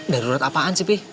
darurat apaan sih pi